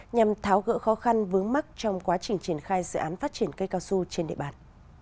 nhằm tháo gỡ khó khăn vướng mắt trong quá trình triển khai dự án phát triển cây cao su trên địa bàn